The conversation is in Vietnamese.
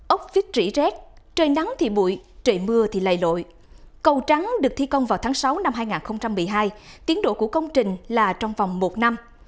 ốc vít rỉ rác trời nắng thì bụi trời mưa thì lầy lội cầu trắng được thi công vào tháng sáu năm hai nghìn một mươi hai tiến độ của công trình là trong vòng một năm